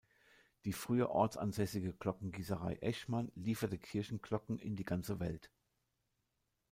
Die früher ortsansässige Glockengiesserei Eschmann lieferte Kirchenglocken in die ganze Welt.